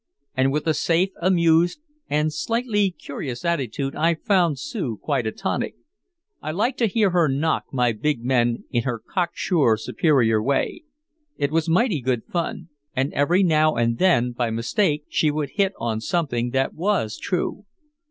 And with a safe, amused and slightly curious attitude I found Sue quite a tonic. I liked to hear her knock my big men in her cocksure superior way. It was mighty good fun. And every now and then by mistake she would hit on something that was true.